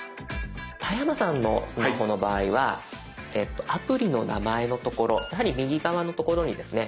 田山さんのスマホの場合はアプリの名前のところやはり右側のところにですね